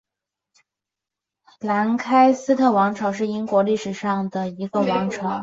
兰开斯特王朝是英国历史上的一个王朝。